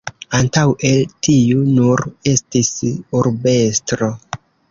Antaŭe tiu nur estis urbestro.